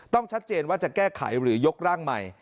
ชัดเจนว่าจะแก้ไขหรือยกร่างใหม่